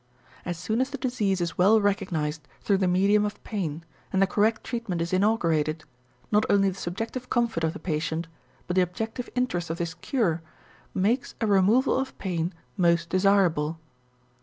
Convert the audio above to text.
As soon as the disease is well recognized through the medium of pain and the correct treatment is inaugurated, not only the subjective comfort of the patient but the objective interest of his cure makes a removal of pain most desirable.